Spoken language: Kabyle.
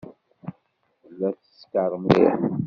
Tella teskeṛ mliḥ.